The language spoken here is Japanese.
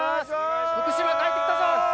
福島帰って来たぞ！